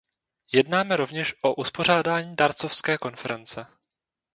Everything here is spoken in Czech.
Jednáme rovněž o uspořádání dárcovské konference.